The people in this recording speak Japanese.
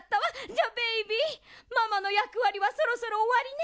じゃベイビーママのやくわりはそろそろおわりね。